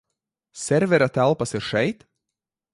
Servera telpas ir šeit?